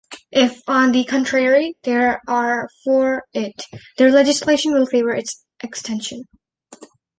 If, on the contrary, they are for it, their legislation will favor its extension.